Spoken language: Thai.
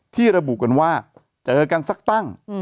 ที่ระบุกันว่าเจอกันสักตั้ง